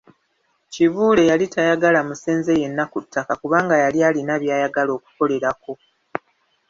Kibuule yali tayagala musenze yenna ku ttaka kubanga yali alina by’ayagala okukolerako.